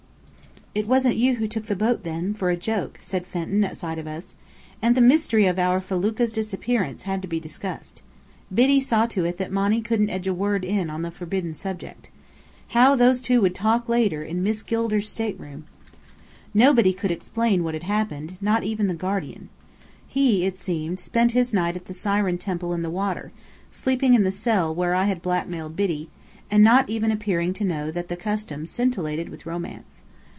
"It wasn't you who took the boat, then, for a joke!" said Fenton, at sight of us. And the mystery of our felucca's disappearance had to be discussed. Biddy saw to it that Monny couldn't edge in a word on the forbidden subject. How those two would talk later, in Miss Gilder's stateroom! Nobody could explain what had happened, not even the guardian. He, it seemed, spent his night at the siren temple in the water, sleeping in the cell where I had blackmailed Biddy, and not even appearing to know that the custom scintillated with romance.